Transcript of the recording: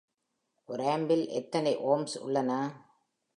ஒரு ஆம்பில் எத்தனை ஓம்ஸ் உள்ளன?